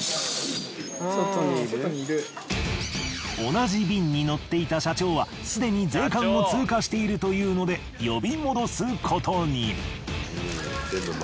同じ便に乗っていた社長はすでに税関を通過しているというので呼び戻すことに。